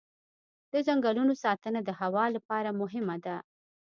د ځنګلونو ساتنه د هوا لپاره مهمه ده.